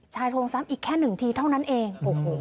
โทรซ้ำอีกแค่หนึ่งทีเท่านั้นเอง